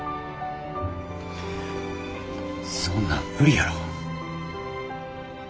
そんなん無理やろ。